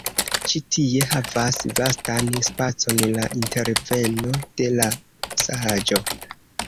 Ĉi tie havas vastan spacon la interveno de la saĝo.